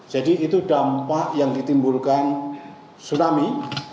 jadi itu dampak yang ditimbulkan tsunami